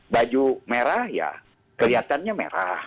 baju merah ya kelihatannya merah